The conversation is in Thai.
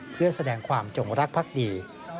เพื่อแสดงความจงรักภักดี